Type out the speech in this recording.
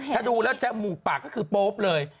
ถ้าดูแล้วจมูกปากก็คือโป๊ปเลย